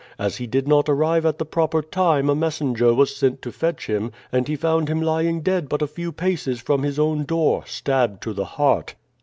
As he did not arrive at the proper time a messenger was sent to fetch him, and he found him lying dead but a few paces from his own door, stabbed to the heart."